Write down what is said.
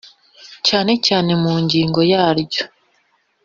cyane cyane mu ngingo yaryo